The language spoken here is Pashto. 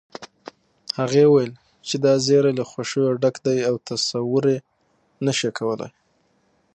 هغې وويل چې دا زيری له خوښيو ډک دی او تصور يې نشې کولی